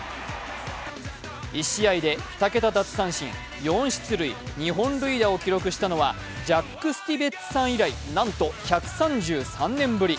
１試合で２桁奪三振、４出塁２本塁打を記録したのはジャック・スティベッツさん以来、なんと１３３年ぶり。